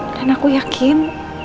dan aku yakin